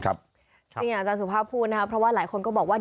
ครับจริงอย่างอาจารย์สุภาพูนนะเพราะว่าหลายคนก็บอกว่า